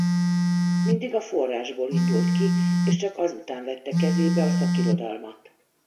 Mindig a forrásból indult ki és csak az után vette kezébe a szakirodalmat.